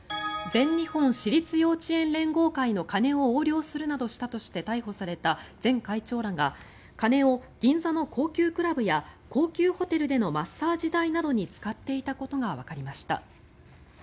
全日本私立幼稚園連合会の金を横領するなどしたとして逮捕された前会長らが金を銀座の高級クラブや高級ホテルでのマッサージ代などに使っていたことがわかりました。